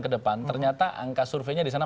ke depan ternyata angka surveinya di sana